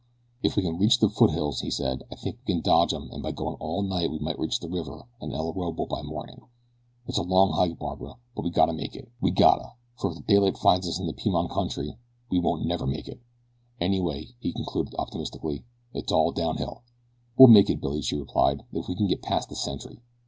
"If we can reach the foothills," he said, "I think we can dodge 'em, an' by goin' all night we may reach the river and El Orobo by morning. It's a long hike, Barbara, but we gotta make it we gotta, for if daylight finds us in the Piman country we won't never make it. Anyway," he concluded optimistically, "it's all down hill." "We'll make it, Billy," she replied, "if we can get past the sentry."